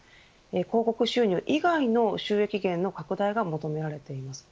広告収入以外の収益源の拡大が求められています。